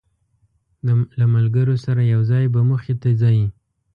له ملګرو سره یو ځای به موخې ته ځی.